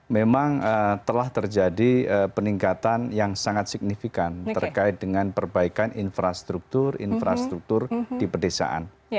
memang telah terjadi peningkatan yang sangat signifikan terkait dengan perbaikan infrastruktur infrastruktur di pedesaan